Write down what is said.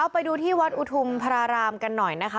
ไปดูที่วัดอุทุมพระรามกันหน่อยนะคะ